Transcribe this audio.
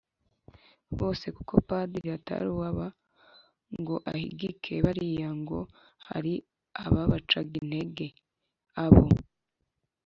bose kuko padiri atari uw’aba ngo ahigike bariya. ngo hari ababacaga intege ! abo